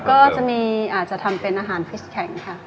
ก็จะมีอาจจะทำเป็นอาหารคริสแข็งค่ะ